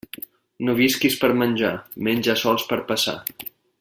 No visquis per menjar, menja sols per passar.